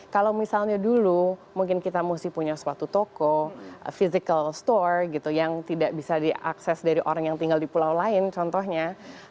kalau misalnya dulu mungkin kita mesti punya suatu toko physical store gitu yang tidak bisa diakses dari orang yang tinggal di pulau lain contohnya